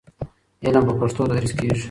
علم په پښتو تدریس کېږي.